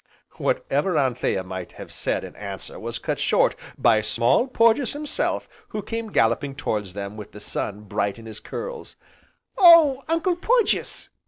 Whatever Anthea might have said in answer was cut short by Small Porges himself who came galloping towards them with the sun bright in his curls. "Oh, Uncle Porges!"